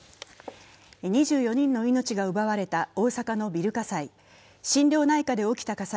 ２４人の命が奪われた大阪のビル火災。